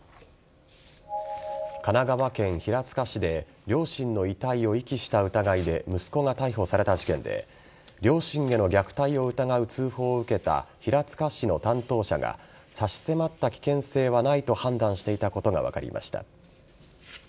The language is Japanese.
神奈川県平塚市で両親の遺体を遺棄した疑いで息子が逮捕された事件で両親への虐待を疑う通報を受けた平塚市の担当者が差し迫った危険性はないと判断していたことが分かりました。